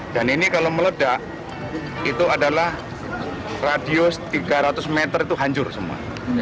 dan ini kalau meledak itu adalah radius tiga ratus meter itu hancur semua